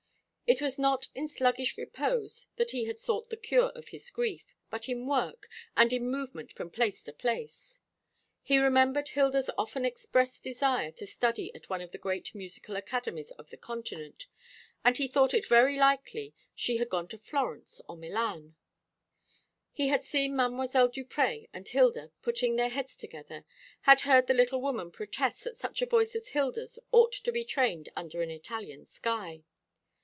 It was not in sluggish repose that he had sought the cure for his grief, but in work, and in movement from place to place. He remembered Hilda's often expressed desire to study at one of the great musical academies of the Continent; and he thought it very likely she had gone to Florence or Milan. He had seen Mdlle. Duprez and Hilda putting their heads together, had heard the little woman protest that such a voice as Hilda's ought to be trained under an Italian sky.